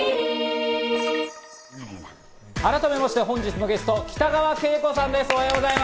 改めまして本日のゲスト、北川景子さんです！